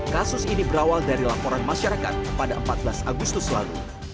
kasus ini berawal dari laporan masyarakat pada empat belas agustus lalu